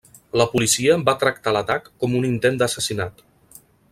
La policia va tractar l'atac com un intent d'assassinat.